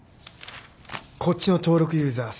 こっちの登録ユーザー３０万